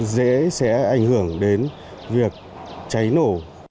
dễ sẽ ảnh hưởng đến việc cháy nổ